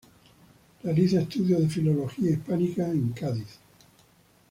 Realiza estudios de Filología Hispánica en Cádiz.